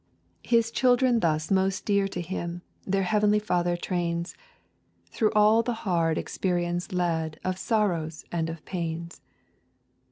His children thus most dear to Him, Their heavenly Father trains, Through all the hard experience led Of sorrows and of pains.